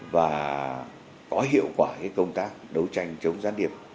và có hiệu quả công tác đấu tranh chống gián điệp